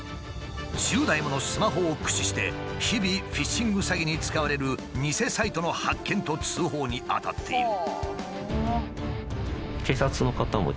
１０台ものスマホを駆使して日々フィッシング詐欺に使われる偽サイトの発見と通報に当たっている。